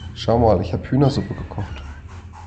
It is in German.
Schau mal, ich habe Hühnersuppe gekocht.